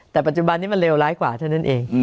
แต่ปัจจุบันนี้มันเลวร้ายกว่าเท่านั้นเอง